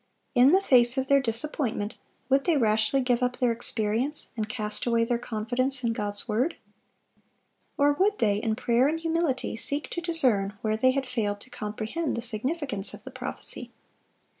In the face of their disappointment, would they rashly give up their experience, and cast away their confidence in God's word? or would they, in prayer and humility, seek to discern where they had failed to comprehend the significance of the prophecy?